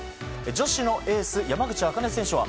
女子のエース山口茜選手は。